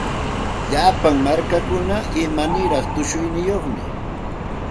Llapa markakuna imaniraq tushuyniyuqmi.